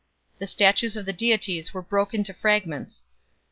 The statues of the deities were broken to fragments.